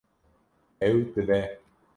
Ew dibe.